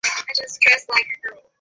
কারণ তাঁরা তাকে চিনতে পারেনি।